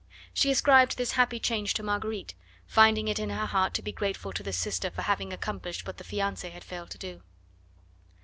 She ascribed this happy change to Marguerite, finding it in her heart to be grateful to the sister for having accomplished what the fiancee had failed to do.